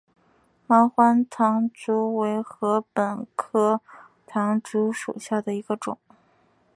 毛环唐竹为禾本科唐竹属下的一个种。